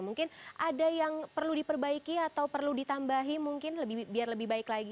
mungkin ada yang perlu diperbaiki atau perlu ditambahi mungkin biar lebih baik lagi